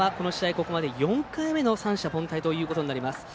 ここまで４回目の三者凡退ということになります。